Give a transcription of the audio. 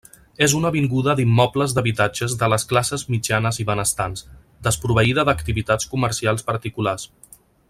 És una avinguda d'immobles d'habitatges de les classes mitjanes i benestants, desproveïda d'activitats comercials particulars.